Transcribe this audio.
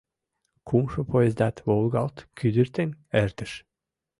Кумшо поездат волгалт-кӱдыртен эртыш.